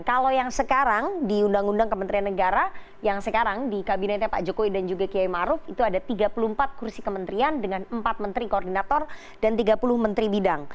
kalau yang sekarang di undang undang kementerian negara yang sekarang di kabinetnya pak jokowi dan juga kiai maruf itu ada tiga puluh empat kursi kementerian dengan empat menteri koordinator dan tiga puluh menteri bidang